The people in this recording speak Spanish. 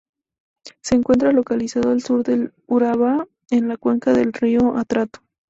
Se encuentra localizado al sur del Urabá, en la cuenca del río Atrato.